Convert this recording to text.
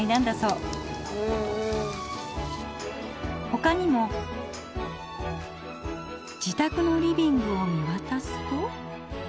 ほかにも自宅のリビングを見わたすと。